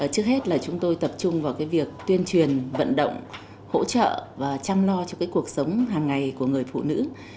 trước hết là chúng tôi tập trung vào cái việc tuyên truyền vận động hỗ trợ và chăm lo cho cuộc sống hàng ngày của người phụ nữ